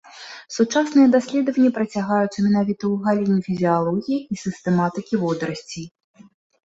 Сучасныя даследаванні працягваюцца менавіта ў галіне фізіялогіі і сістэматыкі водарасцей.